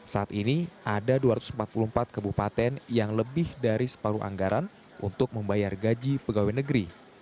saat ini ada dua ratus empat puluh empat kebupaten yang lebih dari separuh anggaran untuk membayar gaji pegawai negeri